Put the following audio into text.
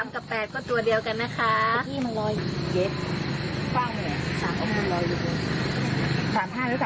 กับ๘ก็ตัวเดียวกันนะคะ